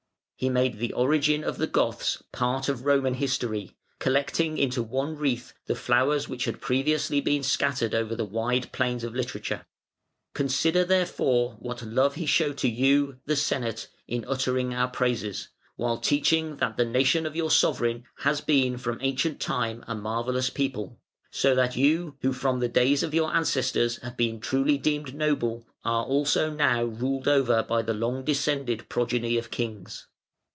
He made the origin of the Goths part of Roman history, collecting into one wreath the flowers which had previously been scattered over the wide plains of literature. Consider, therefore, what love he showed to you (the Senate) in uttering our praises, while teaching that the nation of your sovereign has been from ancient time a marvellous people: so that you who from the days of your ancestors have been truly deemed noble are also now ruled over by the long descended progeny of Kings".